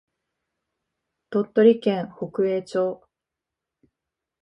鳥取県北栄町